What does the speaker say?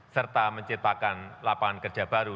serta menciptakan lapangan kerja baru